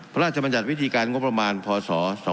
พระราชบัญญัติวิธีการงบประมาณพศ๒๑๖๑